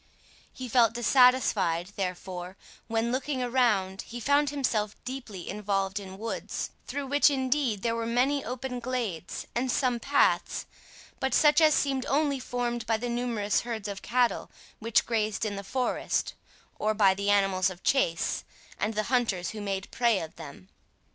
He felt dissatisfied, therefore, when, looking around, he found himself deeply involved in woods, through which indeed there were many open glades, and some paths, but such as seemed only formed by the numerous herds of cattle which grazed in the forest, or by the animals of chase, and the hunters who made prey of them.